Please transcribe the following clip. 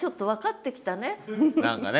何かね。